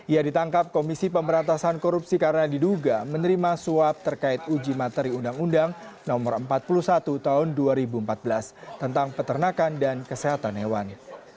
ia ditangkap komisi pemberantasan korupsi karena diduga menerima suap terkait uji materi undang undang no empat puluh satu tahun dua ribu empat belas tentang peternakan dan kesehatan hewan